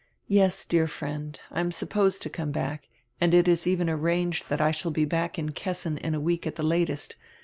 "Yes, dear friend, I am supposed to come back, and it is even arranged that I shall be back in Kessin in a week at the latest.